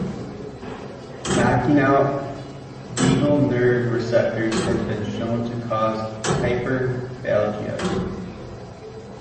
Knocking out vagal nerve receptors has been shown to cause hyperphagia.